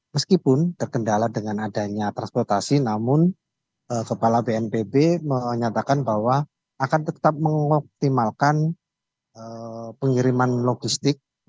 meskipun terkendala dengan adanya transportasi namun kepala bnpb menyatakan bahwa akan tetap mengoptimalkan pengiriman logistik